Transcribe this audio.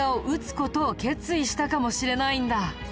事を決意したかもしれないんだ。